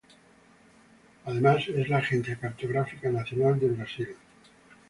Además, es la agencia cartográfica nacional de Brasil.